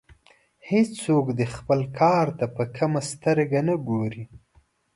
هیڅوک دې خپل کار ته په کمه سترګه نه ګوري.